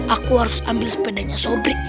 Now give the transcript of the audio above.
aku harus ambil sepedanya sobrik